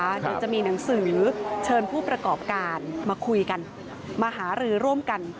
เดี๋ยวจะมีหนังสือเชิญผู้ประกอบการมาคุยกันมาหารือร่วมกัน